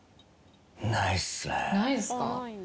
ないですか？